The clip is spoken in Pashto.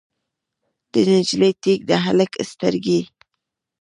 د نجلۍ ټیک، د هلک سترګې